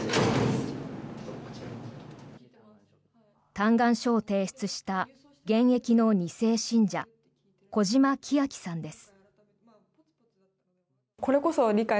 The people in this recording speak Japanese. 嘆願書を提出した現役の２世信者小嶌希晶さんです。